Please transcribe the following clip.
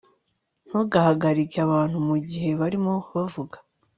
Ntugahagarike abantu mugihe barimo bavuga